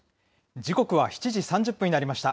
時刻は７時３０分になりました。